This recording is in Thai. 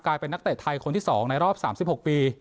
กลายเป็นนักเตะไทยคนที่สองในรอบ๓๖ปี